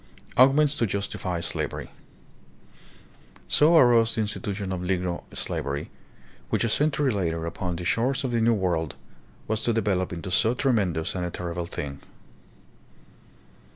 Arguments to Justify Slavery. So arose the insti tution of Negro slavery, which a century later upon the shores of the New World was to develop into so tremen dous and terrible a thing.